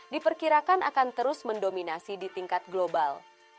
diperkirakan akan terus mendominasi di tingkat global